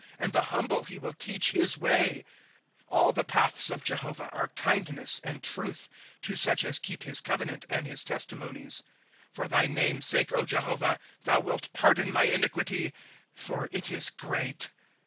And the humble he will teach his way, " All the patba of Jehovah are kindness and truth, To such as keep his covenant and his testimonies. " For thy name's sake, Jehovah, Thou wilt pardon my iniquity, for it is great